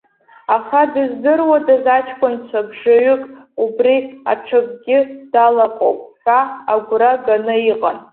Аха дыздыруаз аҷкәынцәа бжаҩык, убри аҽакгьы далаҟоуп ҳәа агәра ганы иҟан.